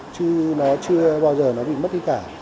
chứ nó chưa bao giờ bị mất đi cả